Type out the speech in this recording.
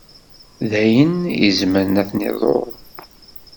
D ayen i izemmren ad ten-iḍuṛ.